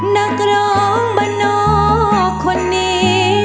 นักร้องบ้านหน้าคนนี้